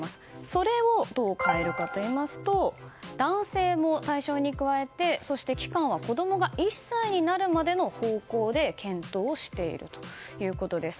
それを、どう変えるかというと男性も対象に加えてそして、期間は子供が１歳になるまでの方向で検討しているということです。